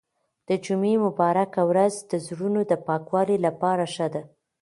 د جمعې مبارکه ورځ د زړونو د پاکوالي لپاره ښه ده.